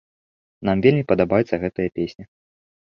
Нам вельмі падабаецца гэтая песня.